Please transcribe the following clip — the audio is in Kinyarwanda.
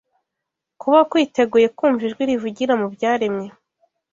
kuba kwiteguye kumva Ijwi rivugira mu byaremwe